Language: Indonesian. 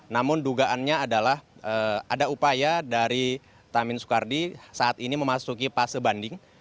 namun dugaannya adalah ada upaya dari tamin soekardi saat ini memasuki fase banding